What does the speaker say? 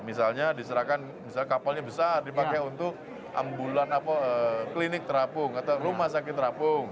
misalnya diserahkan misalnya kapalnya besar dipakai untuk ambulan klinik terapung atau rumah sakit terapung